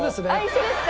一緒ですか？